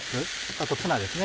あとツナですね